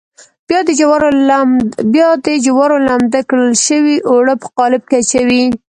بیا د جوارو لمد کړل شوي اوړه په قالب کې اچوي.